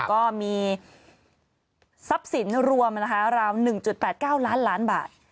ก็มีทรัพย์สินรวมราว๑๘๙ล้านล้านบาท